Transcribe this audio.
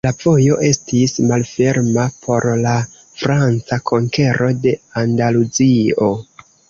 La vojo estis malferma por la franca konkero de Andaluzio.